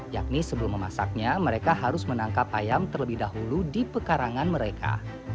yakni sebelum memasaknya mereka harus menangkap ayam terlebih dahulu di pekarangan mereka